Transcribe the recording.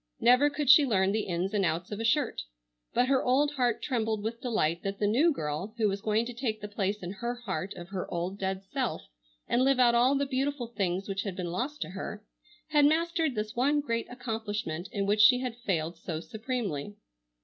Never could she learn the ins and outs of a shirt. But her old heart trembled with delight that the new girl, who was going to take the place in her heart of her old dead self and live out all the beautiful things which had been lost to her, had mastered this one great accomplishment in which she had failed so supremely.